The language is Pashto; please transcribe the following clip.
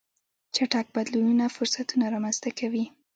چټک بدلونونه فرصتونه رامنځته کوي.